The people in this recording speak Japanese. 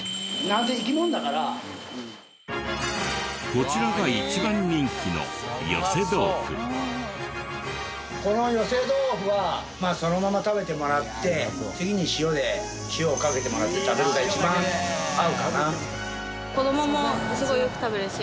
こちらが一番人気のこの寄せ豆冨はそのまま食べてもらって次に塩で塩をかけてもらって食べるのが一番合うかな。